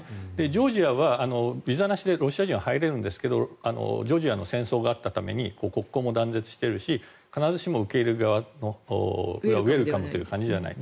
ジョージアはビザなしでロシア人は入れるんですがジョージアの戦争があったために国交も断絶しているし必ずしも受け入れる側のウェルカムという感じじゃない。